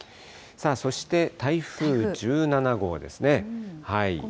そして台風１７号ですね。